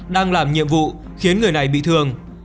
đang làm nhiệm vụ khiến người này bị thương